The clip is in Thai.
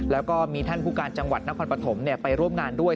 แล้วก็มีท่านผู้การจังหวัดนครปฐมไปร่วมงานด้วย